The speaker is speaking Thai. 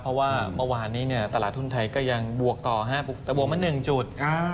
เพราะว่าเมื่อวานนี้ตลาดทุนไทยก็ยังบวกต่อฮะแต่บวกมา๑จุด